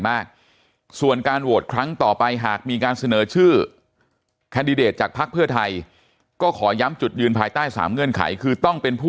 มากส่วนการโหตครั้งต่อไปหากมีการเสนอชื่อแคนดเดต